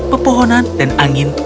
pepohonan dan angin